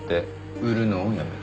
売るのをやめた。